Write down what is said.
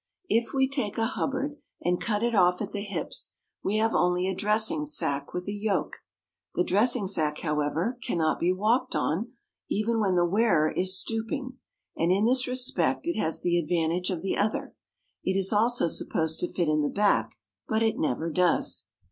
If we take a Hubbard and cut it off at the hips, we have only a dressing sack with a yoke. The dressing sack, however, cannot be walked on, even when the wearer is stooping, and in this respect it has the advantage of the other; it is also supposed to fit in the back, but it never does.